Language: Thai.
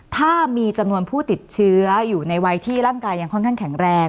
ถ้ามีจำนวนผู้ติดเชื้ออยู่ในวัยที่ร่างกายยังค่อนข้างแข็งแรง